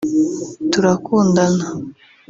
‘Turakundana’